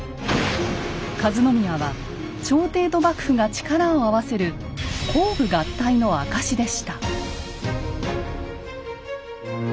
和宮は朝廷と幕府が力を合わせる公武合体の証しでした。